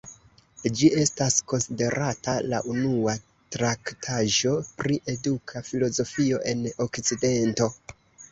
Ĝi estas konsiderata la unua traktaĵo pri eduka filozofio en Okcidento.